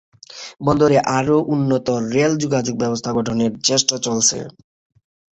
বন্দরে আরও উন্নত রেল যোগাযোগ ব্যবস্থা গঠনের চেষ্টা চলছে।